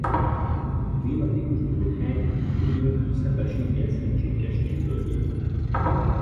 Klimatikus gyógyhely a Gömör–Szepesi-érchegység keskeny völgyében.